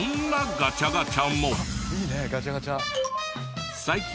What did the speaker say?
ガチャガチャ？